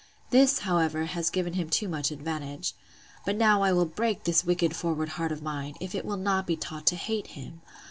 —This, however, has given him too much advantage. But now I will break this wicked forward heart of mine, if it will not be taught to hate him!